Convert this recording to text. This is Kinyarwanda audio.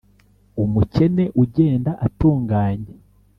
umukene ugenda atunganye,